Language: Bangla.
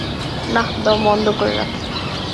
নাহ, দম বন্ধ করে রাখি।